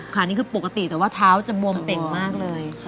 นี่คือปกติแต่ว่าเท้าจะบวมเป่งมากเลย